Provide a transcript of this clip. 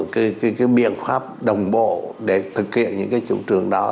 cái biện pháp đồng bộ để thực hiện những cái chủ trương đó